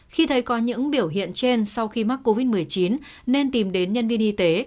khi thấy có những biểu hiện trên sau khi mắc covid một mươi chín nên tìm đến nhân viên y tế